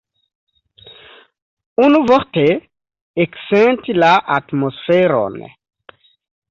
Unuvorte, eksenti la atmosferon.